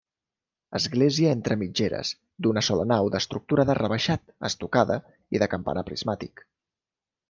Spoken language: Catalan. Església entre mitgeres, d'una sola nau, d'estructura d'arc rebaixat, estucada i de campanar prismàtic.